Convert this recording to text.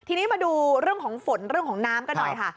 ทีนี้มาดูเรื่องของฝนเรื่องของน้ำกันหน่อยค่ะ